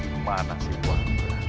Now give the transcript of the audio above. dimana si wang